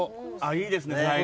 いいですね最後。